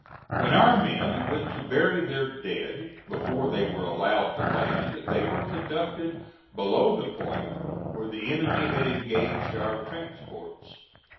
When our men went to bury their dead, before they were allowed to land they were conducted below the point where the enemy had engaged our transports.